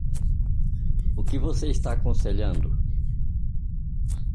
O que você está aconselhando?